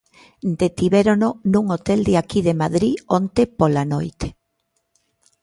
Detivérono nun hotel de aquí de Madrid onte pola noite.